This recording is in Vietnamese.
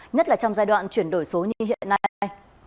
nhất là trong giai đoạn chuyển đổi số như hiện nay